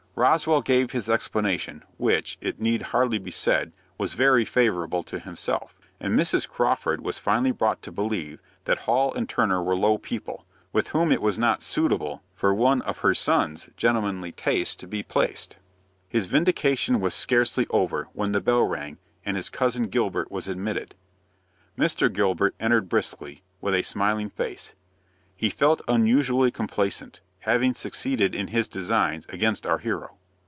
Roswell gave his explanation, which, it need hardly be said, was very favorable to himself, and Mrs. Crawford was finally brought to believe that Hall & Turner were low people, with whom it was not suitable for one of her son's gentlemanly tastes to be placed. His vindication was scarcely over, when the bell rang, and his Cousin Gilbert was admitted. Mr. Gilbert entered briskly, and with a smiling face. He felt unusually complaisant, having succeeded in his designs against our hero.